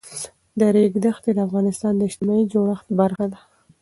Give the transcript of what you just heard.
د ریګ دښتې د افغانستان د اجتماعي جوړښت برخه ده.